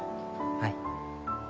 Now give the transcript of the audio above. はい。